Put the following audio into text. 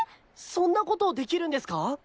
そんなことできるんですか？